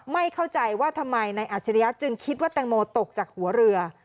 ไม่เข้าใจว่าทำไมนายอัจฉริยะจึงคิดว่าแตงโมตกจากหัวเรือ